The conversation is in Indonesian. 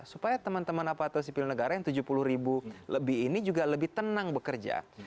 supaya teman teman aparatur sipil negara yang tujuh puluh ribu lebih ini juga lebih tenang bekerja